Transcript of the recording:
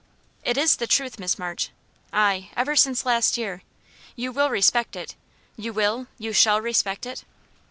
"It is the truth, Miss March ay, ever since last year. You will respect it? You will, you shall respect it?"